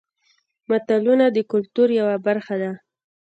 متلونه د کولتور یوه برخه ده